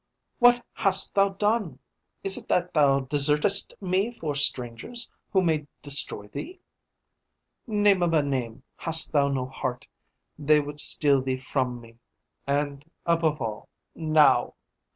"What hast thou done? Is it that thou desertest me for strangers, who may destroy thee? Name of a name, hast thou no heart? They would steal thee from me and above all, now!